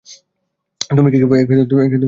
তুমি কী খাবে?